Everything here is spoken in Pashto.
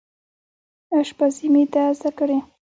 اشپزي مې ده زده کړې